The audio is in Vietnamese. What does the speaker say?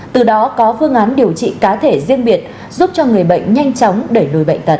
từ đó có phương án điều trị cá thể riêng biệt giúp cho người bệnh nhanh chóng đẩy lùi bệnh tật